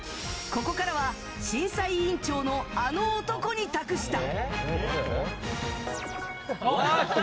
ここからは審査委員長のあの男に託した！